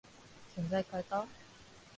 洗剤かえた？